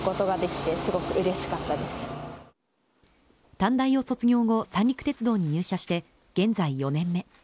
短大を卒業後三陸鉄道に入社して現在４年目。